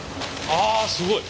あすごい。